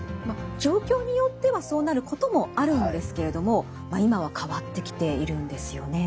状況によってはそうなることもあるんですけれども今は変わってきているんですよね。